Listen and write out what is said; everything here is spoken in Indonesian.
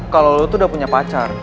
kalau lo tuh udah punya pacar